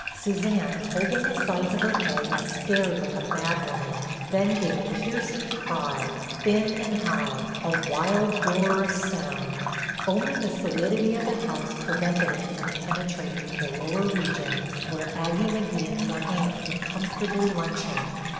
Suzanne, holding the sides of her head, stared like a mad woman, then gave a piercing cry, thin and high, a wild, dolorous sound. Only the solidity of the house prevented it from penetrating to the lower regions where Aggie McGee and her aunt were comfortably lunching.